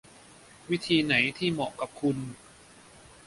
วิธีไหนที่เหมาะกับคุณ